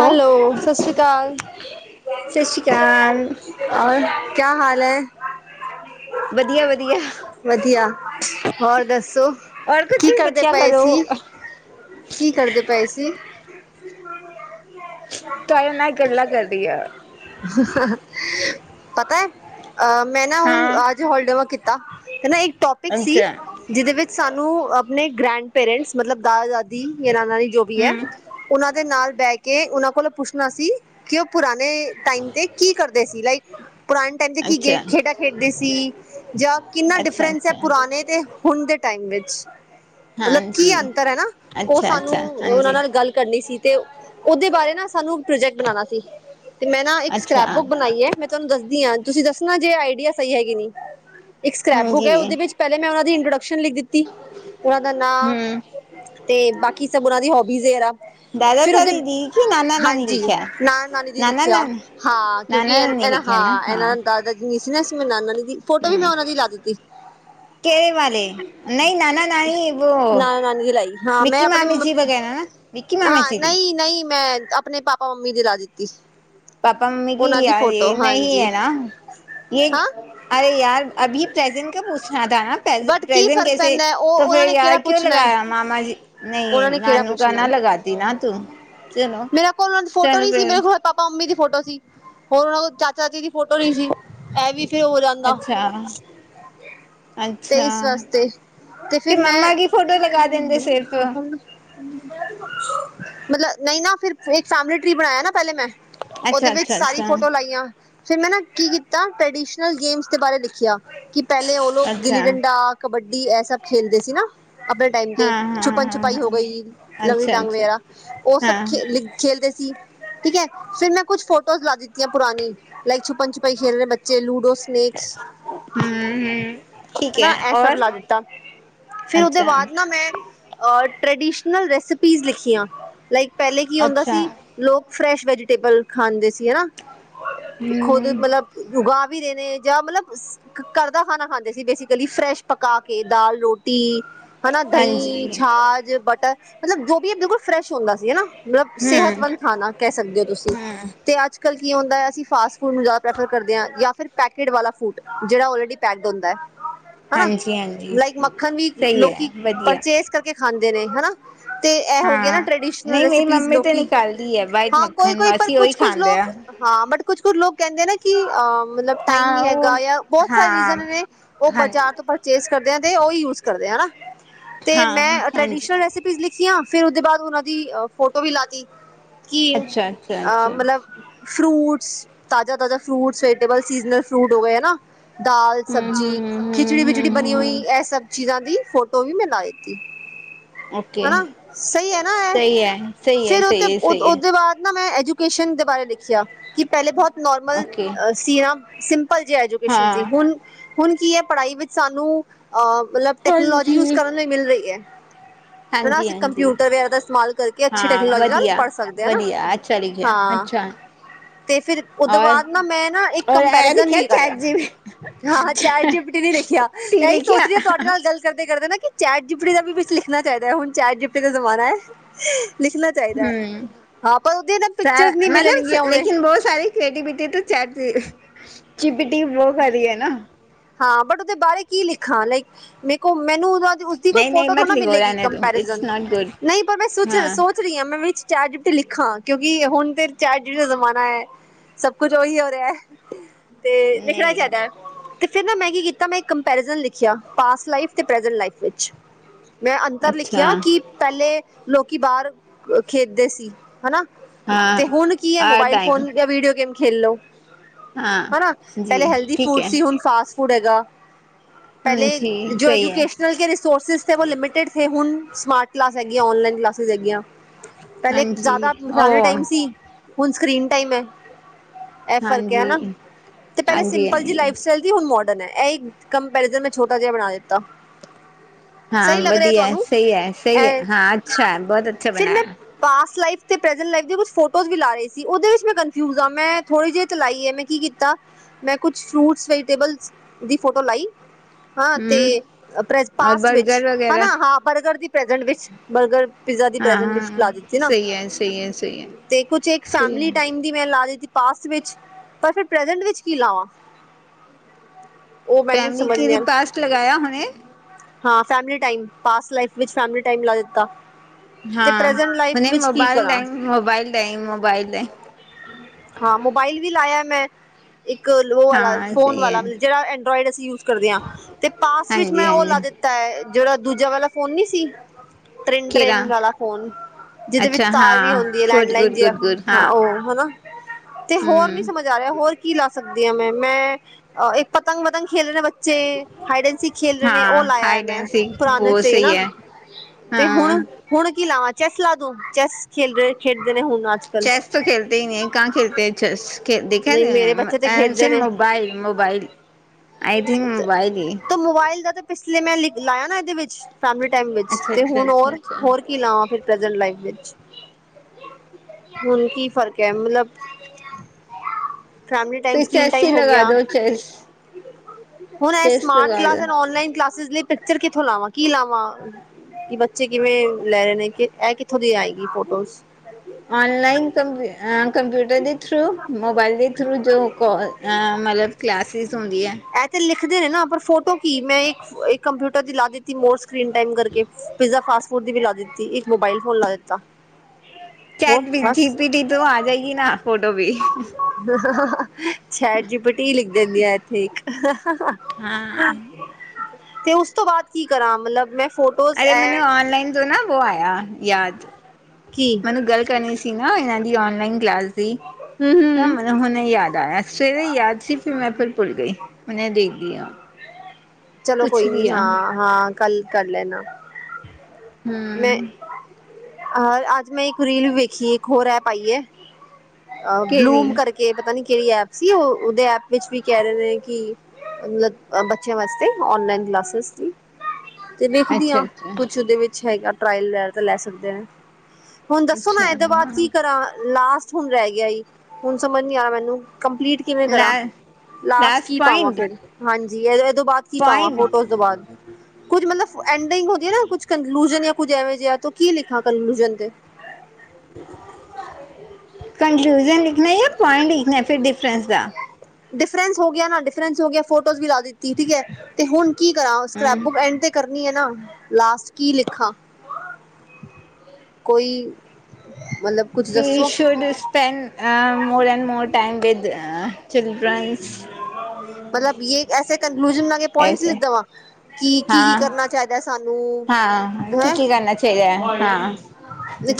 Hello, ਸਤਿ ਸ੍ਰੀ ਅਕਾਲ। ਸਤਿ ਸ਼੍ਰੀ ਅਕਾਲ ਔਰ ਕਯਾ ਹਾਲ ਹੈਂ? ਵਧੀਆ ਵਧੀਆ ਵਧੀਆ, ਹੋਰ ਦੱਸੋ। ਔਰ ਕੁਛ ਕੀ ਵੀ ਕਰਦੇ ਪੁੱਛਿਆ ਪਏ ਕਰੋ ਸੀ? ਕੀ ਕਰਦੇ ਪਏ ਸੀ? [inaudible] ਤੁਆਡੇ ਨਾਲ ਗੱਲਾ ਕਰਦੀ ਆ। ਪਤਾ ਹੈ ਅਹ ਮੈਂ ਨਾ ਹੁਨ ਹਾਂ ਹੋਲੀਡੇ ਵਰਕ ਕੀਤਾ ਹੈਨਾ, ਇੱਕ ਟੋਪਿਕ ਸੀ ਅੱਛਾ ਜਿਦੇ ਵਿਚ ਸਾਨੂ ਅਪਨੇ ਗ੍ਰੈਂਡ ਪੇਰੈਂਟਸ ਮਤਲਬ ਦਾਦਾ-ਦਾਦੀ ਜਾਂ ਨਾਨਾ-ਨਾਨੀ ਜੋ ਵੀ ਐ ਹਮ ੳਨਾਂ ਦੇ ਨਾਲ ਬੈ ਕੇ ੳਨਾਂ ਕੋਲੋਂ ਪੁੱਛਨਾ ਸੀ ਕੇ ੳਹ ਪੁਰਾਨੇ ਟਾਈਮ ਤੇ ਕੀ ਕਰਦੇ ਸੀ? ਲਾਈਕ ਪੁਰਾਨੇ ਟਾਈਮ ਤੇ ਕੀ ਗ ਅੱਛਾ ਖੇਡਾਂ ਖੇਡਦੇ ਸੀ, ਜਾਂ ਕਿੰਨਾ ਅੱਛਾ ਡਿਫਰੈਂਸ ਹੈ ਅੱਛਾ ਪੁਰਾਨੇ ਤੇ ਹੁਣ ਦੇ ਟਾਈਮ ਵਿੱਚ, ਮਤਲਬ ਕੀ ਹਾਂਜੀ ਅੰਤਰ ਹੈਨਾ ੳਹ ਅੱਛਾ ਸਾਨੂੰ ਅੱਛਾ ੳਨਾਂ ਹਾਂਜੀ ਨਾਲ ਗੱਲ ਕਰਨੀ ਸੀ ਤੇ ੳਦੇ ਬਾਰੇ ਨਾ ਸਾਨੂੰ ਪ੍ਰੋਜੈਕਟ ਬਨਾਨਾ ਸੀ। ਤੇ ਮੈਂ ਨਾ ਇੱਕ ਅੱਛਾ ਸਕ੍ਰੈਪ ਬੁੱਕ ਬਨਾਈ ਏ। ਮੈਂ ਤਾਨੂੰ ਦੱਸਦੀ ਹਾਂ ਤੁਸੀ ਦੱਸਨਾ ਜੇ ਆਈਡੀਆ ਸਹੀ ਹੈ ਕੇ ਨੀ। ਇੱਕ ਸਕ੍ਰੈਪ ਬੁੱਕ ਹਾਂਜੀ ਉਦੇ ਵਿੱਚ ਪਹਲੇ ਮੈਂ ੳਨਾਂ ਦੀ ਇੰਟਰੋਡਕਸ਼ਨ ਲਿਖ ਦਿੱਤੀ। ਉਹਨਾਂ ਦਾ ਨਾਂ ਹਮ ਤੇ ਬਾਕੀ ਸਭ ਉਹਨਾਂ ਦੀ ਹੋਬੀਜ਼ ਵਗੈਰਾ। ਦਾਦਾ ਫਿਰ ਉਹਦੇ, ਦਾਦੀ ਦੀ ਕਿ ਨਾਨਾ ਨਾਨੀ ਹਾਂਜੀ ਲਿਖਿਆ ਹੈ? ਨਾ ਨੀਨੀ ਦੀ ਨਾਨਾ ਰੱਖਿਆ ਨਾਨੀ ਹਾਂ। ਕਿਉਂਕਿ ਨਾਨਾ ਨਾਨੀ ਏਹ-ਏਹ ਦਾ ਲਿਖਿਆ ਨਾ ਹਾਂ ਇਹਨਾਂ ਦਾਦਾ ਜੀ ਨੀ ਸੀ ਨਾ, ਅਸੀ ਨਾ ਨਾਨਾ ਦੀ ਫੋਟੋ ਵੀ ਮੈਂ ਹਮ ਉਹਨਾਂ ਦੀ ਲਾ ਦਿੱਤੀ। ਕਿਹੜੇ ਵਾਲੇ, ਨਹੀਂ ਨਾਨਾ ਨਾਨੀ ਉਹ, ਨਾਨਾ ਨਾਨੀ ਦੀ ਲਾਈ ਹਾਂ ਮੈਂ ਮਿਕੀ ਆਪਣੇ ਮਾਮੀ ਜੀ ਮੰਮਾ ਵਗੈਰਾ ਨਾ? ਮਿੱਕੀ ਮਾਮੀ ਹਾਂ ਜੀ ਦੀ ਨਈ- ਨਈ ਮੈਂ ਆਪਣੇ ਪਾਪਾ- ਮੰਮੀ ਦੀ ਲਾ ਦਿੱਤੀ ਸੀ। ਪਾਪਾ-ਮੰਮੀ ਕੀ ਯਾਦ ਇਹ ਨਹੀ ਹੈ ਨਾ, ਯ ਹਾਂ ਅਰੇ ਯਾਰ ਅਭੀ ਪ੍ਰਜੈਂਟ ਕੇ ਪੁਛ ਹਾਂਦਾ ਨਾ ਬਟ ਕੀ ਪ੍ਰੇ-ਪ੍ਰੇਜੈਂਟ ਫ਼ਰਕ ਕੈਸੇ ਪੈਂਦਾ ਹੈ ਉਹ ਤੇ ਫਿਰ ਉਹਨਾਂ ਨੇ ਕਿਹੜਾ ਯਾਰ ਕਿਉਂ ਪੁੱਛਣਾ ਹੈ ਲਗਾਇਆ ਮਾਮਾ ਜੀ ਨਈ ਉਹਨਾਂ ਨੇ ਕਿਹੜਾ ਨਾਨੂ ਕਾ ਪੁੱਛਣਾ ਹੈ ਨਾ ਲਗਾਤੀ ਨਾ ਤੂੰਮ ਮੇਰੇ ਕੋਲ ਉਨਾ ਦੀ ਫੋਟੋ ਨੀ ਸੀ ਮੇਰੇ ਕੋਲ ਪਾਪਾ-ਮੰਮੀ ਦੀ ਫੋਟੋ ਸੀ, ਹੋਰ ਉਹਨਾਂ ਕੋਲ ਚਾਚਾ- ਚਾਚੀ ਦੀ ਫੋਟੋ ਨਹੀ ਸੀ, ਇਹ ਵੀ ਫੇਰ ਹੋ ਜਾਂਦਾ। ਅੱਛਾ ਤੇ ਅੱਛਾ, ਇਸ ਵਾਸਤੇ ਤੇ ਫਿਰ ਫੇਰ ਮੈਂ ਮੰਮਾ ਕੀ ਫੋਟੋ ਲਗਾ ਦਿੰਦੇ ਸਿਰਫ ਫੇਰ। ਮਤਲਬ ਨਈ ਨਾ ਫਿਰ ਇੱਕ ਫੈਮਲੀ ਟ੍ਰੀ ਬਣਾਇਆ ਨਾ ਪਹਿਲੇ ਮੈਂ ਉਹਦੇ ਵਿੱਚ ਸਾਰੀ ਫੋਟੋ ਲਾਈਆਂ। ਫਿਰ ਮੈਂ ਨਾ ਕੀ ਕੀਤਾ ਟਰਡੀਸ਼ਨਲ ਗੇਮਸ ਦੇ ਬਾਰੇ ਲਿਖਿਆ। ਕਿ ਪਹਿਲੇ ਓ ਗਿੱਲੀ ਡੰਡਾ, ਕਬੱਡੀ ਇਹ ਸਭ ਖੇਲਦੇ ਸੀ ਨਾ ਆਪਣੇ ਟਾਈਮ ਤੇ ਛੁਪਨ- ਛੁਪਾਈ ਹੋ ਗਈ। ਲੰਗੜੀ ਡੰਗ ਵਗੈਰਾ ਉਹ ਸਭ ਖੇ ਲਿਖ ਖੇਲਦੇ ਸੀ ਠੀਕ ਹੈ, ਫਿਰ ਮੈਂ ਕੁੱਛ ਫੋਟੋਜ਼ ਲਾ ਦਿੱਤੀਆ ਪੁਰਾਨੀ ਲਾਈਕ ਛੁਪਨ-ਛੁ ਕੋਈ ਖੇਲਦੇ ਬੱਚੇ ਲੂਡੋ-ਸਨੇਕਸ ਹੂੰ ਹੂੰ। ਹਨਾ ਇਹ ਸਭ ਲਾ ਦਿੱਤਾ, ਫਿਰ ਉਹਦੇ ਬਾਅਦ ਨਾ ਮੈਂ ਅ ਟ੍ਰਡੀਸ਼ਨਲ ਰੈਸਪੀਜ਼ ਲਿਖੀਆਂ, ਲਾਇਕ ਪਹਿਲੇ ਕੀ ਹੁੰਦਾ ਸੀ। ਲੋਕ ਫਰੈਸ਼ ਵੈਜੀਟੇਬਲ ਖਾਂਦੇ ਸੀ ਹਨਾ। ਖੁਦ ਮਤਲਬ ਉਗਾ ਵੀ ਰਏ ਨੇ ਜਾਂ ਮਲਬ ਸ ਘਰ ਦਾ ਖਾਨਾ ਖਾਣ ਸੀ ਬੇਸਿਕਲੀ ਫਰੈਸ਼ ਪਕਾ ਕੇ ਦਾਲ- ਰੋਟੀ ਹਨਾ ਦਹੀਂ, ਹਾਂਜੀ ਛਾਜ, ਬਟਰ ਮਤਲਬ ਜੋ ਵੀ ਬਿਲਕੁਲ ਫਰੈਸ਼ ਹੁੰਦਾ ਸੀ ਹਨਾ, ਮਤਲਬ ਹਮ ਸਿਹਤਮੰਦ ਖਾਣਾ ਕਹਿ ਸਕਦੇ ਔ ਤੁਸੀਂ। ਹਮ ਤੇ ਅੱਜ ਕੱਲ੍ਹ ਕੀ ਹੁੰਦਾ ਐ, ਅਸੀਂ ਫਾਸਟੂਡ ਨੂੰ ਜ਼ਿਆਦਾ ਪ੍ਰੈਫਰ ਕਰਦੇ ਆ ਜਾਂ ਫਿਰ ਪੈਕਕੇਟ ਵਾਲਾ ਫੂਡ ਜਿਹੜਾ ਆਔਲਰੇਡੀ ਪੈਕ ਡ ਹੁੰਦਾ ਹਨਾ ਹਾਂਜੀ ਹਾਂਜੀ ਲਾਈਕ ਮੱਖਣ ਵੀ ਸਹੀ ਲੋਕੀ ਹੈ ਵਧੀਆ ਪਰਚੇਸ ਕਰ ਕੇ ਖਾਂਦੇ ਨੇ ਹਨਾ। ਤੇ ਇਹ ਹੋਗਿਆ ਨਾ ਹਾਂ ਟਡੀਸ਼ਨ ਨਹੀਂ ਮੇਰੀ ਰੈਸਪੀ ਮੰਮੀ ਤੇ ਲੋਕੀ, ਨਿਕਾਲਦੀ ਹੈ ਵਾਈਟ ਹਾਂ ਕੋਈ -ਕੋਈ ਮੱਖਣ ਪਰ ਅਸੀਂ ਉਹੀ ਕੁਛ- ਕੁਛ ਖਾਂਦੇ ਆ ਲੋਕ ਹਾਂ ਬਟ ਕੁੱਝ- ਕੁਛ ਲੋਕ ਕਹਿੰਦੇ ਨਾ ਕਿ ਅ ਮਤਲਬ ਟਾਈਮ ਨੀ ਹਾਂ ਉਹ ਹੈਗਾ ਜਾਂ ਬਹੁਤ ਸਾਰੀ ਰੀਜ ਹਾਂ ਨੇ ਉਹ ਹਾਂਜੀ ਬਜ਼ਾਰ ਤੋਂ ਪਰਚੇਸ ਕਰਦੇ ਆ ਤੇ ਉਹ ਯੂਜ ਕਰਦੇ ਹਨਾ। ਤੇ ਹਾਂ ਮੈਂ ਹਾਂਜੀ ਟ੍ਰਡਿਸ਼ਨਲ ਰੈਸਿਪੀ ਲਿਖੀਆਂ ਫਿਰ ਉਹਦੇ ਬਾਅਦ ਉਹਨਾਂ ਦੀ ਫੋਟੋ ਵੀ ਲਾ ਤੀ। ਕਿ ਅੱਛਾ ਅੱਛਾ ਅਹ ਅੱਛਾ ਮਤਲਬ ਫਰੂਟਸ ਤਾਜ਼ਾ- ਤਾਜ਼ਾ ਫਰੂਟਸ ਵੈਜਟੇਬਲ ਸੀਜਨਲ ਫਰੂਟ ਹੋ ਗਏ ਨਾ ਦਾਲ ਹਮ ਸਬਜ਼ੀ ਹਮ ਖਿਚੜੀ- ਹਮ ਹਮ ਵਿਚੜੀ ਹਮ ਬਣੀ ਹੋਈ ਹਮ ਇਹ ਸਭ ਚੀਜ਼ਾਂ ਦੀ ਫੋਟੋ ਵੀ ਮੈਂ ਲਾ ਦਿੱਤੀ। ਓਕੇ ਹਨਾ ਸਹੀ ਐ ਨਾ ਇਹ, ਸਹੀ ਹੈ ਸਹੀ ਹੈ ਫਿਰ ਸਹੀ ਹੈ ਉਹ ਸਹੀ ਹੈ ਉਹਦੇ ਬਾਅਦ ਨਾ ਐਂਜੂ ਕੇਸ਼ਨ ਦੇ ਬਾਰੇ ਲਿਖਿਆ ਕਿ ਪਹਿਲੇ ਬਹੁਤ ਨਿਰਮਲ ਓਕੇ ਅਅ ਸੀ ਐ ਕਲ ਜੇ ਐਜੂਕੇਸ਼ਨ ਸੀ ਹਾਂ ਹੁਣ- ਹੁਣ ਕੀ ਐ ਪੜ੍ਹਾਈ ਵਿੱਚ ਸਾਨੂੰ ਅਹ ਮਤਲਬ ਟੈਕਨੋਲੋਜੀ ਯੂਜ ਹਾਂਜੀ ਕਰਨ ਲਈ ਮਿਲ ਰਹੀ ਐ। ਹਨਾ ਹਾਂਜੀ ਅਸੀਂ ਹਾਂਜੀ ਕੰਪਿਊਟਰ ਵਗੇਰਾ ਦਾ ਇਸਤੇਮਾਲ ਕਰਕੇ ਅੱਛੀ ਟੈਕਨੋਲੋਜੀ ਨਾਲ ਪੜ੍ਹ ਸਕਦੇ ਹ ਹਨਾ। ਚਲੀ ਗਿਆ ਅੱਛਾ। ਫਿਰ ਉਹਦੇ ਬਾਅਦ ਨਾ ਮੈਂ ਨਾ ਇੱਕ ਔਰ, ਏਹ ਵੀ ਕੰਪੈਰੀਜ਼ਨ ਕਿਆ ਕਰਿਆ ਚੈਟ ਜੀਵ ਹਾਂ ਚੈਟ ਜੀ ਪਟੀ ਵੀ ਲਿਖਿਆ ਟੀ ਇਹੀ ਸੋਚ ਲਿਖਿਆ ਰਹੀ ਹ ਤੁਹਾਡੇ ਨਾਲ ਗੱਲ ਚਰਦੇ ਚਰਦੇ ਨਾ ਕੀ ਚੈਟ ਜੀਪ ੜੀ ਦਾ ਵੀ ਵਿੱਚ ਕੁਛ ਲਿਖਣਾ ਚਾਈਦਾ ਐ। ਹੁਣ ਚੈਟ ਜੀਪ ੜੀ ਦਾ ਜ਼ਮਾਨਾ ਐ। ਲਿਖਣਾ ਚਾਈਦਾ ਐ, ਹਮ ਹਾਂ ਪਰ ਓਦੀਆਂ ਨਾ ਸਾਰਾ ਪਿਚਰਸ ਨੀ ਮਿਲਣਗੀਆਂ ਮਤਲਬ ਹੁਣੇ। ਲੇਕਿਨ ਬਹੁਤ ਸਾਰੀ ਕ੍ਰੀਟੀਿਵਿਟੀ ਚੈ ਚੀ ਪੀ ਟੀ ਬੋ ਸਾਰੀ ਐ ਨਾ। ਹਾਂ ਬਟ ਓਦੇ ਬਾਰੇ ਕੀ ਲਿਖਾਂ, ਲਾਈਕ ਮੇ ਕੋ ਮੈਨੂੰ ਓਦਾ ਉਸਦੀ ਕੋਈ ਨਹੀਂ ਨਹੀਂ ਫੋਟੋ ਤੋਂ ਮਤ ਨਾ ਲਿਖੋ ਮਿਲੇਗੀ ਰਹਿਣੇ ਦੋ ਇਟਸ ਕੰਪੈਰੀਜ਼ਨ। ਨੋਟ ਗੁਡ ਨਈ ਪਰ ਮੈਂ ਸਚ ਹਾਂ ਦਸੋ ਥਰੀ ਆਂ ਮੈਂ ਵਿਚ ਚੈਟ ਜੀ ਪੀ ਡਿ ਲਿਖਾਂ ਕਿਉਂਕਿ ਹੁਣ ਤੇ ਚੈ ਜੀ ਦਾ ਜ਼ਮਾਨਾ ਏ। ਸਭ ਕੁਝ ਓਹੀ ਹੋ ਰਿਆ ਤੇ ਲਿਖਣਾ ਨਹੀਂ ਚਾਈਦਾ। ਤੇ ਫੇਰ ਨਾ ਮੈਂ ਕੀਤਾ ਮੈਂ ਇਕ ਕਮਪੇਰੀਜਨ ਲਿਖਿਆ, ਪਾਸਟ ਲਾਈਫ ਤੇ ਪਰੇਂਜਟ ਲਾਈਫ ਵਿਚ। ਮੈਂ ਅੰਤਰ ਅੱਛਾ ਲਿਖਿਆ ਕੀ ਪੈਲੇ ਲੋਕੀ ਬਾਰ ਖੇਡਦੇ ਸੀ ਹਨਾ। ਹਾਂ ਤੇ ਹੁਣ ਕੀ ਏ ਆ ਮੋਬਾਇਲ ਟਾਈਮ ਫੋਨ ਜਾਂ ਵੀਡੀਓ ਗੇਮ ਖੇਲੋ। ਹਾਂ ਹਨਾ ਪੈਲੇ ਜੀ ਹੈਲਦੀ ਠੀਕ ਫੂਡ ਹੈ ਸੀ, ਹੁਣ ਫਾਸਟ ਫੂਡ ਹੈਗਾ। ਹਾਂਜੀ ਪੈਲੇ- ਜੋ ਸਹੀ ਹੈ ਐਜੂਕੇਸ਼ਨ ਰਿਸੋਰਸਿਸ ਥੇ ਵੋ ਲਿਮਿਟਿਡ ਦੇ, ਹੁਣ ਸਮਾਟ ਕਲਾਸ ਹੈਗੀਆਂ, ਔਨਲਾਈਨ ਕਲਾਸਿਸ ਹੈਗੀਆਂ। ਪੈਲੇ ਹਾਂਜੀ ਜਾਦਾ ਫੈਮਲੀ ਉਹ ਟਾਈਮ ਸੀ, ਹੁਣ ਸਕਰੀਨ ਟਾਈਮ ਐ। ਐ ਫਰਕ ਐ ਹਾਂਜੀ ਨਾ, ਤੇ ਪੈਲੇ ਹਾਂਜੀ ਸਿੰਪਲ ਜੀ ਹਾਂਜੀ ਲਾਈਫ ਸੈਲਜੀ ਹੁਣ ਮੋਡਨ ਐ। ਐ ਕੰਪੈਰੀਜ਼ਨ ਮੈਂ ਛੋਟਾ ਜਿਆ ਬਣਾ ਦਿੱਤਾ। ਹਾਂ ਸਹੀ ਲੱਗ ਰਿਹਾ ਵਧੀਆ ਤੁਹਾਨੂੰ ਸਹੀ ਐ ਸਹੀ ਐ। ਇਹ ਹਾਂ ਅੱਛਾ ਐ ਬੋਤ ਅੱਛਾ ਫਿਰ ਮੈਂ ਬਣਾਇਆ। ਪਾਸਟ ਲਾਈਫ ਤੇ ਪ੍ਰੈਜੈਂਟ ਲਾਈਫ ਦੇ ਕੁਛ ਫੋਟੋਜ਼ ਵੀ ਲਾ ਰਹੇ ਸੀ। ਓਦੇ ਵਿੱਚ ਮੈਂ ਕਨਫਿਊਜ ਆਂ, ਮੈਂ ਥੋੜੀ ਜੀ ਚਲਾਈ ਏ ਮੈਂ- ਕੀ ਕੀਤਾ, ਮੈਂ ਕੁਛ ਫਰੂਟਸ, ਵੈਜ ਟੇਬਲਸ ਦੀ ਫੋਟੋ ਲਾਈ, ਹਾਂ ਤੇ ਹਮ ਪ੍ਰੈ -ਪਾਸਟ ਵਿੱਚ ਹਨਾ ਹਾ ਤੇ ਬਰਗਰ ਦੀ ਪ੍ਰੈਜੈਂਟ ਵਿੱਚ। ਬਰਗਰ, ਪਿਜ਼ਾ ਦੀ ਪ੍ਰੈਂਜਟ ਵਿਚ ਲਾ ਦਿੱਤੀ ਨਾ। ਤੇ ਕੁਛ ਇੱਕ ਫੈਮਲੀ ਟਾਈਮ- ਦੀ ਮੈਂ ਲਾ ਦਿੱਤੀ ਪਾਸਟ ਵਿੱਚ, ਪਰ ਫਿਰ ਪ੍ਰਜੈਂਟ ਵਿੱਚ ਕੀ ਲਾਵਾਂ। ਉਹ ਮੈਨੂੰ ਫੈਮਲੀ ਸਮਝ ਨਹੀਂ ਕੀਦੀ ਆ ਪਾਸਟ ਲਗਾਇਆ ਹੁਣੇ। ਹਾਂ ਫੈਮਲੀ ਟਾਈਮ, ਪਾਸਟ ਲਾਈਫ ਵਿਚ ਫੈਮਲੀ ਟਾਈਮ ਲਾ ਦਿੱਤਾ। ਤੇ ਹਾਂ ਪ੍ਰੈਜੈਂਟ ਲਾਈਫ ਹੁਣੇ ਵਿੱਚ ਕੀ ਮੋਬਾਈਲ ਕਰਾਂ ਡਈ, ਮੋਬਾਈਲ ਡ‌ਈ, ਮੋਬਾਈਲ ਡ‌ਈ। ਹਾਂ ਮੋਬਾਈਲ ਵੀ ਲਾਇਆ ਮੈਂ- ਇੱਕ ਲੋ ਵਲਾ ਹਾਂ ਫੋਨ ਸਹੀ ਹੈ ਵਾਲਾ, ਜੜਾ ਐਂਡਰੋਇਡ ਅਸੀਂ ਯੂਜ ਕਰਦੇ ਆਂ। ਤੇ ਪਾਸ ਵਿੱਚ ਹਾਂਜੀ ਮੈਂ ਓ ਹਾਂਜੀ ਲਾ ਦਿੱ- ਦਿਤਾ ਏ ਜੇੜਾ ਦੂਜਾ ਵਾਲਾ ਫੋਨ ਨੀ ਸੀ। ਟ੍ਰਿਨ ਕਿਰਾ -ਟ੍ਰਿਨ ਵਾਲਾ ਫੋਨ। ਜਿਦੇ ਵਿੱਚ ਅੱਛਾ ਤਾਰ ਵੀ ਹਾਂ ਹੁੰਦੀ ਐ, ਗੁਡ ਲੈਂਡਲਾਈਨ ਗੁਡ ਜਿਆ ਗੁਡ ਗੁਡ ਹਾਂ ਓ ਹਨਾ। ਤੇ ਹੋਰ ਨੀ ਹਮ ਸਮਝ ਆ ਰਿਆ ਹੋਰ ਕੀ ਲਾ ਸਕਦੀ ਆ ਮੈਂ। ਮੈਂ ਇੱਕ ਪਤੰਗ- ਪਤੰਗ ਖੇਲ ਰ ਨੇ ਬੱਚੇ ਬੱਚੇ ਹਾਈਡ‌ ਏਨ ਸੀਕ ਖੇਲ ਰੇ ਨੇ, ਓ ਹਾਂ ਲਾਇਆ ਮੈਂ, ਪੁਰਾਣੇ ਤੇ ਹਨਾ। ਹਾਂ ਹੁਣ- ਹੁਣ ਕੀ ਲਾਵਾਂ, ਚੈਸ ਲਾ ਤੂ ਚੈਸ ਖੇਡ ਰੇ ਖੇਡਦੇ ਨੇ ਹੁਣ। ਕੱਲ ਚੈਸ ਤੋਂ ਖੇਲਤੇ ਈ ਨੀ ਐ, ਕਾ ਖੇਲਤੇ ਐ ਚੈਸ- ਦੇਖਾ ਨਹੀਂ ਮੇਰੇ ਤਨੇ ਬੱਚੇ ਤੇ ਐ ਖੇਡਦੇ ਸੇ ਨੇ mobile- mobile I think mobile ਈ। ਤੇ ਮੋਬਾਇਲ ਦਾ ਤਾਂ ਪਿਸਲੇ ਮੈਂ ਲਿ ਲਾਇਆ ਨਾ, ਏਦੇ ਵਿੱਚ ਫੈਮਲੀ ਟਾਈਮ ਵਿੱਚ। ਤੇ ਹੁਣ ਹੋਰ ਹੋਰ ਕੀ ਲਾਵਾਂ ਫਿਰ ਪ੍ਰਜੈਂਟ ਲਾਈਫ ਵਿੱਚ। ਹੁਣ ਕੀ ਫਰਕ ਕਿਆ ਮਲਬ- ਫੈਮਲੀ ਟਾਈਮ, ਸਕ੍ਰੀਨ ਟਾਈਮ ਹੋ ਗਿਆ। ਹੁਣ‌ ਐ smart class, and online classes ਲਈ ਪਿਚਰ ਕਿਥੋਂ ਲਾਵਾਂ, ਕੀ ਲਾਵਾਂ। ਕੀ ਬੱਚੇ ਕਿਵੇਂ ਲੈ ਰੇ ਨੇ, ਕੀ ਐ ਕਿੱਥੋਂ ਦੀ ਆਏਗੀ ਫੋਟੋਜ਼- ਔਨਲਾਈਨ ਕੰਮਪੂ ਆ ਕੰਪਿਊਟਰ ਦੇ ਥਰੂ, ਮੋਬਾਇਲ ਦੇ ਥਰੂ, ਜੋ ਕੋਲ ਮਲਬ ਕਲਾਸਿਸ ਹੁੰਦੀ ਐ। ਇਹ ਤੇ ਲਿਖਦੇ ਨੇ ਨਾ, ਪਰ ਫੋਟੋ ਕੀ। ਮੈਂ ਇੱਕ ਕੰਪਿਊਟਰ ਦੀ ਲਾ ਦਿੱਤੀ। ਮੋਰ ਸਕ੍ਰੀਨ ਟੈਮ ਕਰਕੇ ਪੀਜ਼ਾ-ਫਾਸਟ ਫੂਡ ਦੀ ਵੀ ਲਾ ਦਿੱਤੀ, ਇੱਕ ਮੋਬਾਏਲ ਫੋਨ ਲਾ ਦਿੱਤਾ। ਹੋਰ ਚੈਟ ਬਸ ਜੀ- ਪੀ -ਟੀ ਤੋਂ ਆ ਜੇਗੀ ਨਾ, ਫੋਟੋ ਵੀ ਚੈਟ ਜੀ- ਪੀ -ਟੀ, ਈ ਲਿਖ ਦੇਂਦੀ ਆ ਏਥੇ ਹਾਂ ਇੱਕ ਤੇ ਓਸ ਤੋਂ ਬਾਦ ਕੀ ਕਰਾਂ, ਮਤਲਬ ਮੈਂ ਫੋ ਅਰੇ, ਮੈਨੂੰ ਓਨਲਾਈਨ ਤੋ ਨਾ ਵੋ ਆਏਆ ਯਾਦ। ਕੀ? ਮੈਨੂੰ ਗੱਲ ਕਰਨੀ ਸੀ ਨਾ, ਇਨਾਂ ਦੀ ਓਨਲਾਈਨ ਕਲਾਸ ਦੀ, ਹੂੰ ਨਾ ਹੂੰ ਮੈਨੂੰ ਹੁਨ ਯਾਦ ਆਏਆ। ਸਵੇਰੇ ਯਾਦ ਸੀ, ਫਿਰ ਮੈਂ ਫਿਰ ਭੁੱਲ ਗਈ ਮੈਨੇ ਦੇਖ ਲੇਆ ਚਲੋ ਕੋਈ ਨੀ, ਹਾਂ-ਹਾਂ ਕੱਲ ਕਰ ਲੈਨਾ। ਮੈਂ ਹਮ ਅਹ, ਅੱਜ ਮੈਂ ਇੱਕ ਰੀਲ ਵੀ ਵੇਖੀ, ਇੱਕ ਹੋਰ ਐਪ ਆਈ ਐ, ਅ ਬਲੂਮ ਕਿਹਦੀ ਕਰਕੇ ਕੇ ਪਤਾ ਨੀ ਕੇਹੜੀ ਐਪ ਸੀ ਓ, ਓਦੇ ਐਪ ਵਿੱਚ ਵੀ ਕੇਹ ਰਏ ਨੇ ਕਿ ਮਤਲਬ ਬੱਚੇਆਂ ਵਾਸਤੇ, ਓਨਲਾਈਨ ਕਲਾਸੇਸ ਦੀ। ਤੇ ਵੇਖਦੀ ਆਂ, ਅੱਛਾ ਅੱਛਾ ਕੁਛ ਓਦੇ ਵਿੱਚ ਹੈਗਾ ਟਰਾਏਲ ਵਗੈਰਾ ਤਾਂ ਲੈ ਸਕਦੇ ਹੁਨ ਦੱਸੋ ਅੱਛਾ ਮੈੰ ਏਦੇ ਬਾਦ ਕੀ ਹਾਂ ਕਰਾਂ। ਲਾਸਟ ਹੁਣ ਰੈਹ ਗੇਆ ਏਈ, ਹੁਣ ਸਮਝ ਨੀ ਆ ਰੇਆ ਮੈਨੂੰ ਕੰਪਲੀਟ ਕਿਵੇਂ ਕਰਾਂ? ਲਾਸਟ ਕੀ ਪਾਵਾਂ, ਫੇਰ ਹਾਂਜੀ ਏ ਤੋਂ ਬਾਦ ਕੀ ਪਾਵਾਂ। ਫੋਟੋਜ਼ ਤੋਂ ਬਾਦ ਕੁਝ ਮਤਲਬ ਐੰਡਿੰਗ ਹੋਂਦੀ ਐ ਨਾ, ਕੁਝ ਕੰਕਲੂਜਨ ਜਾਂ ਕੁਝ ਐਂਵੇ ਜੇਆ ਤੋ ਕੀ ਲਿਖਾਂ ਕੰਕਲੂਜਨ ਤੇ ਕਨਕਲੂਜਨ ਲਿਖਨੈ ਜਾਂ ਪੁਆਏਂਟ ਲਿਖਨਾ ਫਿਰ ਡਿਫਰੈਂਸ ਦਾ? ਡਿਫਰੈਂਸ ਹੋ ਗੇਆ ਨਾ, ਡਿਫਰੈਂਸ ਹੋ ਗੇਆ, ਫੋਟੋਜ਼ ਵੀ ਲਾ ਦਿੱਤੀ, ਠੀਕ ਐ ਤੇ ਹੁਨ ਕੀ ਕਰਾਂ, ਸਕ੍ਰੈਪ ਬੁੱਕ ਐਂਡ ਤੇ ਕਰਨੀ ਆ ਨਾ ਲਾਸਟ ਕੀ ਲਿਖਾਂ? ਕੋਈ, ਮਤਲਬ ਕੁਛ ਵੀ ਦੱਸੋ should spend uh more and more time with uh childrens. ਮਤਲਬ ਯੇ ਐਸੇ ਕਨਕਲੂਜਨ ਮ ਪੁਆਏਂਟਸ ਲਿਖ ਦਵਾਂ ਕਿ, ਕੀ-ਕੀ ਕਰਨਾ ਚਾ ਐ ਸਾਨੂੰ, ਹੈਂ। ਚਾਈਦੈ, ਹਾਂ।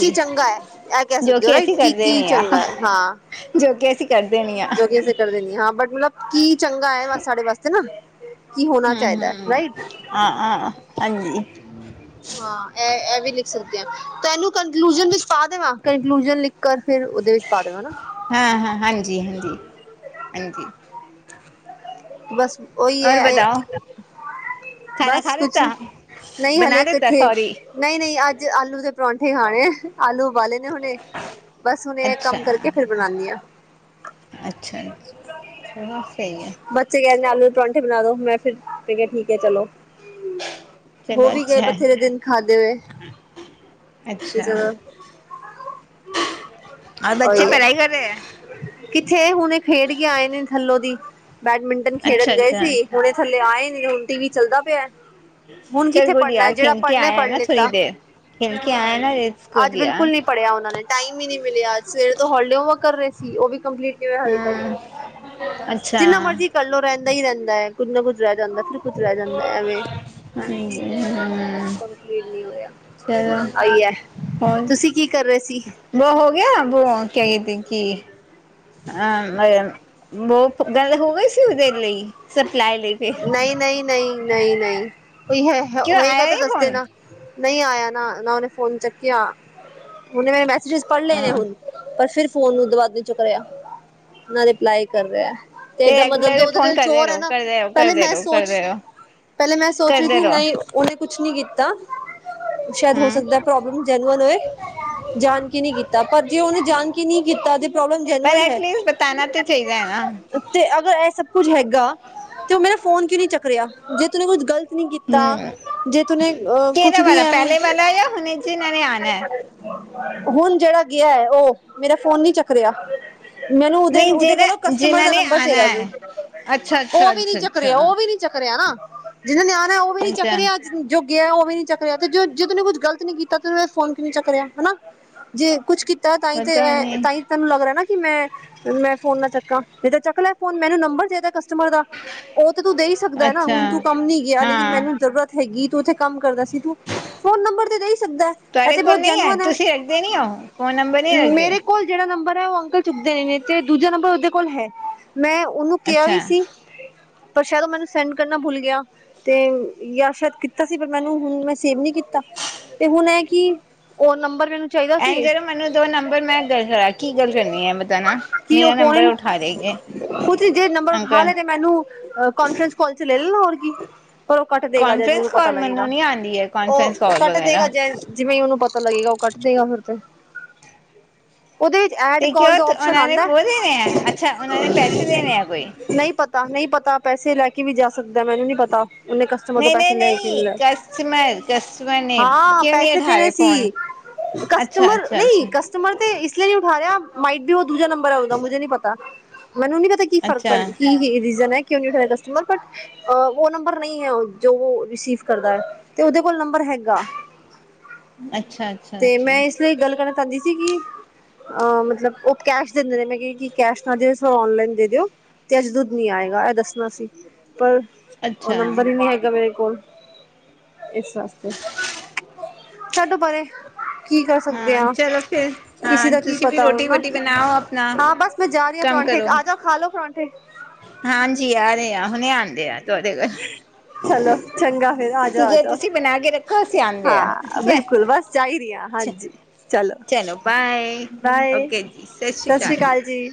ਕੀ ਚੰਗਾ ਹੈ ਇਹ ਕਹਿ ਜੋ ਸਕਦੇ ਹੋ ਕੇ ਅਸੀ ਰਾਈਟ ਕੀ ਕਰਦੇ ਕੀ ਨੀ ਆਂ, ਚੰਗਾ ਹੈ ਹਾਂ ਜੋ ਕੇ ਅਸੀ ਕਰਦੇ ਨੀਂ ਆਂ। ਜੋ ਕੇ ਅਸੀਂ ਕਰਦੇ ਨੀਂ ਆਂ, ਹਾਂ ਬਟ ਮਤਲਬ ਕੀ ਚੰਗਾ ਐ, ਸਾਡੇ ਵਾਸਤੇ ਨਾ। ਕੀ ਹੋਨਾ ਚਾਈਦੈ, ਰਾਈਟ? ਅ, ਅ, ਹਾਂਜੀ। ਹਾਂ, ਐ, ਐ ਵੀ ਲਿਖ ਸਕਦੇ ਆਂ, ਤਾਂ ਏਨੂੰ ਕੰਕਲੂਜਨ ਵਿੱਚ ਪਾ ਦੇਵਾਂ ਕਨਕਲੂਜਨ ਲਿਖ ਕਰ ਫੇਰ ਓਦੇ ਵਿੱਚ ਪਾ ਦਵਾਂ ਨਾ। ਹਾਂ -ਹਾਂ, ਹਾਂਜੀ -ਹਾਂਜੀ, ਹਾਂਜੀ। ਬਸ, ਓਈ ਐ ਔਰ ਏ ਬਤਾਓ ਖਾਣਾ ਬਸ ਖਾ ਕੁਛ, ਲਿੱਤਾ ਨਈਂ ਬਣਾ ਹਲੇ ਲਿੱਤਾ ਕਿੱਥੇ। ਸੋਰੀ ਨਈਂ-ਨਈਂ ਅੱਜ ਆਲੂ ਦੇ ਪਰੌਂਠੇ ਖਾਨੇ ਆਲੂ ਓਬਾਲੇ ਨੇ ਹੁਨੇ। ਬਸ, ਹੁਨ ਏਹ ਕੰਮ ਕਰਕੇ ਫੇਰ ਬਨਾਨੀਂ ਆਂ। ਅੱਛਾ-ਅੱਛਾ, ਚਲੋ ਸਈ ਐ। ਬੱਚੇ ਕੈੰਦੇ ਆਲੂ ਦੇ ਪਰੌਂਠੇ ਬਨਾ ਦੋ, ਮੈਂ ਫੇਰ ਕੇਆ ਠੀਕ ਐ, ਚਲੋ। ਹੋ ਵੀ, ਗੇ ਬਥੇਰੇ ਦਿਨ ਖਾਦੇ ਵੇ। ਅੱਛਾ। ਔਰ, ਬੱਚੇ ਉਹੀ ਹੈ ਪੜਾਈ ਕਰ ਰਏ ਐ? ਕਿੱਥੇ ਹੁਨੇ ਖੇਡ ਕੇ ਆਏ ਨੇ, ਥੱਲੋਂ ਦੀ ਬੈਡਮਿੰਟਨ ਖੇਡਨ ਗਏ ਸੀ। ਹੁਣੇ ਥੱਲੇ ਆਏ ਨੇ ਹੁਣ ਟੀ ਵੀ ਚੱਲਦਾ ਪਿਆ। ਹੁਣ ਚਲ ਕਿੱਥੇ ਗੁਡੀ ਪੜ੍ਹਨਾ ਯਾਰ ਜਿਹੜਾ ਖੇਲ ਕੇ ਪੜ੍ਹਨਾ ਆਇਆ ਏ ਪੜ੍ਹ ਨਾ ਥੋੜੀ ਲਿੱਤਾ ਦੇਰ ਖੇਲ ਕੇ ਆਇਆ ਨਾ ਰੇ ਗਡੀ ਯ। ਪੜਿਆ ਉਹਨਾਂ ਨੇ ਟਾਈਮ ਹੀ ਨੀ ਮਿਲਿਆ ਸਵੇਰੇ ਤੋਂ ਹੋਲੀ ਹੋਮਵਕ ਕਰ ਰੇ ਸੀ ਉਹ ਵੀ ਕੰਪਲੀਟ। ਕਿਵੇਂ ਹਾਲੇ ਤੱਕ ਜਿੰਨਾ ਮਰਜ਼ੀ ਕਰਲੋ ਰਹਿੰਦਾ ਹੀ ਰਹਿੰਦਾ ਏ ਕੁੱਝ ਨਾ ਕੁੱਝ ਰਹਿ ਜਾਂਦਾ ਫਿਰ। ਕੁਛ ਰਹਿ ਜਾਂਦਾ ਐਵੇਂ ਕੰਪਲੀਟ ਨਹੀਂ ਹੋਇਆ। ਆਈ ਹੈ। ਹੋਰ ਤੁਸੀਂ ਕੀ ਕਰ ਰਹੇ ਸੀ ਵੋ ਹੋ ਗਿਆ, ਵੋ ਹੋ ਕੇ ਆਈ ਪਿੰਕੀ। ਹਮ ਵੋ ਗੱਲ ਹੋ ਗਈ ਸੀ ਦਿੱਲੀ ਸਪਲਾਈ ਲਈ। ਫਿਰ ਨਈ ਨਈ ਨਈ ਨਈ ਨਈ ਕੋਈ ਕਿਉਂ ਆਇਆ ਹੋਏਗਾ ਤੇ ਇਹ ਦੱਸ ਦੇਣਾ। ਨਈ ਆਇਆ ਨਾ ਨਾ ਉਹਨੇ ਫੋਨ ਚੱਕਿਆ ਉਹਨੇ ਮ ਬੈ। ਚੀਜ਼ ਪੜ੍ਹ ਲੈ ਨੇ ਫੋਨ ਹੁਣ ਪਰ ਫਿਰ ਫੋਨ ਨੂੰ ਉਦੂ ਬਾਦ ਨੀ ਚੱਕ ਰਿਹਾ ਨਾ ਰਿਪਲਾਈ ਕਰ ਰਿਹਾ। ਤੇ ਏਦਾਂ ਮਤਲਬ ਰੈਗੂਲਰ ਉਹਦੇ ਫੋਨ ਦਿਲ ਕਰਦੇ ਚੋਰ ਐ ਰਹੋ ਨਾ। ਕਰਦੇ ਰਹੋ ਪੈਲੇ ਕਰਦੇ ਮੈਂ ਰਹੋ ਸੋਚ ਕਰਦੇ ਰਹੋ ਪੈਲੇ ਮੈਂ ਸੋਚ ਰਹੀ ਕਰਦੇ ਸੀ ਰਹੋ। ਨਹੀਂ ਉਹਨੇ ਕੁਛ ਨੀ ਕੀਤਾ। ਸ਼ਾਇਦ ਹੋ ਹਮ ਸਕਦੈ ਪ੍ਰੋਬਲਮ ਜੈਨੂਅਨ ਹੋਏ। ਜਾਣ ਕੇ ਨੀ ਕੀਤਾ ਪਰ ਜੇ ਉਹਨੇ ਜਾਣ ਕੇ ਨੀ ਕੀਤਾ ਤੇ ਪ੍ਰੋਬਲਮ ਜੈਨੂਅ। ਪਲੀਜ਼ ਬਤਾਨਾ ਤੇ ਚਾਹੀਦੈ ਨਾ। ਤੇ ਅਗਰ ਇਹ ਸਭ ਕੁੱਝ ਹੈਗਾ। ਤੇ ਉਹ ਮੇਰਾ ਫੋਨ ਕਿਉ ਨੀ ਚੱਕ ਰਿਆ ਜੇ ਤੂੰਨੇ ਕੁੱਝ ਗਲਤ। ਨੀ ਕੀਤਾ ਹਮ ਜੇ ਤੂੰਨੇ ਅ ਕੁਛ ਕਿਹੜਾ ਵੀ ਵਾਲਾ ਐਵੇਂ। ਪਹਿਲੇ ਵਾਲਾ ਜਾਂ ਹੁਣੇ ਜਿਨਾਂ ਨੇ ਆਉਣਾ ਹੈ? ਹੁਣ ਜਿਹੜਾ ਗਿਐ ਉਹ ਮੇਰਾ ਫੋਨ ਨੀ ਚੱਕ ਰਿਹਾ। ਮੈਨੂੰ ਉਹਦੇ ਨਹੀਂ ਉਹਦੇ ਕੋਲੋਂ ਜਿਹੜਾ ਕਸਟਮਰ ਜਿਨਾਂ ਦਾ ਨੇ ਨੰਬਰ ਆਉਣਾ ਚਾਹੀਦਾ ਸੀ। ਹੈ। ਅੱਛਾ। ਉਹ ਅੱਛਾ ਵੀ ਨੀ ਅੱਛਾ ਚੱਕ ਅੱਛਾ ਰਿਹਾ, ਉਹ ਵੀ ਨੀ ਚੱਕ ਰਿਹਾ ਨਾ। ਜਿਹਨਾਂ ਨੇ ਆਨਾ ਉਹ ਵੀ ਨੀ ਚੱਕ ਅੱਛਾ ਰਿਹਾ। ਜੋ ਗਿਐ ਉਹ ਵੀ ਨੀ ਚੱਕ ਰਿਹਾ ਤੇ ਜਦ ਉਹਨੇ ਕੁਛ ਗਲਤ ਨਹੀਂ ਕੀਤਾ ਤੇ ਉਹਨ ਫੋਨ ਕਿਉਂ ਨੀ ਚੱਕ ਰਿਆ ਹੈਨਾ? ਜੇ ਕੁੱਛ ਕੀਤਾ, ਤਾਂਹੀ ਤੇ ਪਤਾ ਏਹ ਨੀ। ਤਾਂਹੀ ਤੈਨੂੰ ਲੱਗ ਰਿਹਾ ਨਾ ਕਿ ਮੈਂ ਮੈਂ ਫੋਨ ਨਾ ਚੱਕਾਂ। ਨਹੀਂ ਤੇ ਚੱਕ ਲੈ ਫੋਨ ਮੈਨੂੰ ਨੰਬਰ ਦੇਦੇ ਕਸਟਮਰ ਦਾ। ਉਹ ਤੇ ਤੂੰ ਦੇ ਹੀ ਸਕਦੈ ਨਾ। ਅੱਛਾ ਹੁਣ, ਤੂੰ ਕੰਮ ਨੀ ਗਿਆ ਲੇਕਿਨ ਹਾਂ ਮੈਨੂੰ ਜ਼ਰੂਰਤ ਹੈਗੀ ਤੂੰ ਉੱਥੇ ਕੰਮ ਕਰਦਾ ਸੀ। ਤੂੰ ਫੋਨ ਨੰਬਰ ਤੇ ਦੇ ਈ ਸਕਦੈ, ਇਹ ਤੁਹਾਡੇ ਤੇ ਬਹੁਤ ਕੋਲ ਨਹੀਂ ਜੈਨੂਅਣ ਹੈ। ਤੁਸੀਂ ਰੱਖਦੇ ਨੀ ਹੋ ਫੋਨ ਨੰਬਰ ਨਹੀਂ ਰੱਖਦੇ? ਮੇਰੇ ਕੋਲ ਜਿਹੜਾ ਨੰਬਰ ਹੈ। ਉਹ ਅੰਕਲ ਚੁੱਕਦੇ ਨੇ ਤੇ, ਦੂਜਾ ਨੰਬਰ ਉਹਦੇ ਕੋਲ ਹੈ। ਮੈਂ ਉਹਨੂੰ ਕਿਹਾ ਅੱਛਾ ਵੀ ਸੀ ਪਰ ਸ਼ਾਇਦ ਉਹ ਮੈਨੂੰ ਸੈਂਡ ਕਰਨਾ ਭੁੱਲ ਗਿਆ ਤੇ ਯਾ ਸ਼ਾਇਦ ਕੀਤਾ ਸੀ ਪਰ ਮੈਨੂੰ ਹੁਣ ਮੈਂ ਸੇਵ ਨਹੀਂ ਕੀਤਾ। ਤੇ ਹੁਣ ਇਹ ਕਿ ਉਹ ਨੰਬਰ ਮੈਨੂੰ ਚਾਹੀਦਾ ਸੀ ਇੰਝ ਕਰੋ ਮੈਨੂੰ ਦੋ ਨੰਬਰ, ਮੈਂ ਗੱਲ ਕਰਾਂ, ਕੀ ਗੱਲ ਕਰਨੀ ਏ ਬਚਾਨਾ। ਕੀ ਉਹ ਫੋਨ, ਕੁਛ ਜੇ ਨੰਬਰ ਉਠਾ ਅੰਕਲ। ਲੇ ਤੇ - ਮੈਨੂੰ ਅ ਕੋਨਫਰੰਸ ਕਾਲ'ਚ ਲੈ ਲਣ, ਹੋਰ ਕੀ। ਪਰ ਉਹ ਕੱਟ ਦੇਗਾ ਜੱਦ ਕਨਫਰੈਂਸ ਓਹਨੂੰ ਪਤਾ ਕਾਲ ਲੱਗੇਗਾ। ਮੈਨੂੰ ਨੀ ਆਂਦੀ ਐ ਉਹ ਕਨਫਰੈਂਸ ਕਾਲ ਕੱਟ ਦੇਗਾ ਵਗੈਰਾ। ਜੈ ਜਿਵੇਂ ਹੀ ਉਹਨੂੰ ਪਤਾ ਲੱਗੇਗਾ ਉਹ ਕੱਟ ਦੇਗਾ ਫੇਰ ਤੇ। ਉਹਦੇ'ਚ ਐਡ ਤੇ ਕਿਉਂ ਕਾਲ ਦਾ ਓਪਸ਼ਨ ਉਹਨਾਂ ਨੇ ਆਂਦੈ, ਉਹ ਦੇਣੇ ਐ ਅੱਛਾ ਉਹਨਾਂ ਨੇ ਪੈਸੇ ਦੇਣੇ ਐ ਕੋਈ। ਨਹੀਂ? ਤਾਨ ਨਈ ਪਤਾ ਪੈਸੇ ਲੈ ਕੇ ਵੀ ਜਾ ਸਕਦੈ, ਮੈਨੂੰ ਨਹੀਂ ਪਤਾ। ਉਹਨੇ ਕਸਟਮਰ ਤੋਂ ਨਹੀਂ ਨਹੀਂ ਪੈਸੇ ਲਏ ਕੇ ਨਹੀਂ ਲਏ, ਕਸਟਮਰ ਕਸਟਮਰ ਨੇ ਹਾਂ ਕਿਉਂ ਨਹੀਂ ਪੈਸੇ ਉਠਾ ਦੇਣੇ ਰਹੇ ਫੋਨ। ਸੀ। ਅੱਛਾ ਕਸਟਮਰ ਅੱਛਾ ਨਈ ਅੱਛਾ ਕ ਕਸਟਮਰ ਤੇ ਇਸ ਲਿਏ ਨੀ ਉਠਾ ਰਿਹਾ, ਮਾਈਟ ਬਿਉ ਦੂਜਾ ਨੰਬਰ ਐ ਉਦਾਂ ਮੁਝੇ ਨੀ ਪਤਾ, ਮੈਨੂੰ ਨੀ ਪਤਾ। ਕੀ ਫਰਕ ਅੱਛਾ ਪੈ, ਕੀ ਰੀਜ਼ਨ ਹੈ ਕਿਉਂ ਨੀ ਉਠ ਰਿਆ ਕਸਟਮਰ, ਬਟ ਅ ਉਹ ਨੰਬਰ ਨਈ ਐ, ਜੋ ਉਹ ਰਿਸੀਵ ਕਰਦਾ ਏ, ਤੇ ਉਹਦੇ ਕੋਲ ਨੰਬਰ ਹੈਗੇ ਅੱਛਾ ਅੱਛਾ ਤੇ ਮੈਂ ਅੱਛਾ ਇਸ ਲਈ ਗੱਲ ਕਰਨਾ ਚਾਹੰਦੀ ਸੀ ਕਿ ਅਹ ਮਤਲਬ ਉਹ ਕੈਸ਼ ਦਿੰਦੇ ਨੇ, ਮੈਂ ਕੇ ਕੀ ਕੈਸ਼ ਨਾ ਦਿਓ ਇਸ ਵਾਰ ਔਨਲਾਈਨ ਦੇ ਦਿਓ ਤੇ ਨੀ ਆਏਗਾ ਐ ਦੱਸਣਾ ਸੀ, ਪਰ ਓ ਅੱਛਾ ਨੰਬਰ ਈ ਨੀ ਹੈਗਾ ਮੇਰੇ ਕੋਲ। ਇਸ ਵਾਸਤੇ, ਛੱਡੋ ਪਰੇ। ਕੀ ਕਰ ਸਕਦੇ ਹਾਂ ਆਂ। ਚਲੋ ਫਿਰ ਕਿਸੇ ਹਾਂ ਦਾ ਕੀ ਤੁਸੀਂ ਵੀ ਪਤਾ ਹੁਣ ਰੋਟੀ ਨਾ ਵੋਟੀ ਬਣਾਓ ਆਪਣਾ ਆਂ ਹਾਂ ਬਸ ਮੈਂ ਜਾ ਰੀ ਆ ਕੰਮ ਪਰੋਠੇ, ਕਰੋ। ਆਜੋ ਖਾਲੋ ਪਰੌਂਠੇ- ਹਾਂਜੀ ਆਰੇ ਆ, ਹੁਣੇ ਆਂਦੇ ਆ ਤੁਆਡੇ ਕੋਲ ਚਲੋ ਚੰਗਾ ਫੇਰ ਠੀਕ ਐ ਆਜੋ-ਆਜੋ, ਤੁਸੀਂ ਬਣਾ ਕੇ ਰੱਖੋ ਅਸੀਂ ਆਂਦੇ ਆ ਹਾਂ ਠੀਕ ਐ। ਬਿਲਕੁਲ ਬਸ- ਚਾਇਦੀ ਆਂ, ਅੱਛਾ ਹਾਂਜੀ। ਚਲੋ ਬਾਏ ਬਾਏ, ਓਕੇ ਜੀ ਸਤਿ ਸ਼੍ਰੀ ਸਸ ਸ੍ਰੀ ਅਕਾਲ ਕਾਲ ਜੀ।